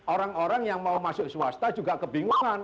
orang orang yang mau masuk swasta juga kebingungan